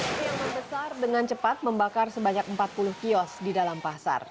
api yang terbesar dengan cepat membakar sebanyak empat puluh kios di dalam pasar